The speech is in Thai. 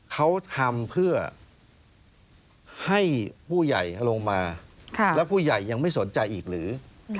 เขาทำเพื่อให้ผู้ใหญ่ลงมาแล้วผู้ใหญ่ยังไม่สนใจอีกหรือ